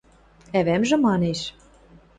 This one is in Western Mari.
Ӓвӓмжӹ манеш: